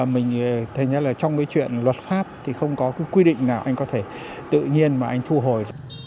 mình thấy là trong cái chuyện luật pháp thì không có cái quy định nào anh có thể tự nhiên mà anh thu hồi